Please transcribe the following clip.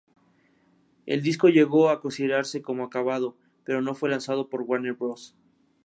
El disco llegó a considerarse como acabado, pero no fue lanzado por Warner Bros.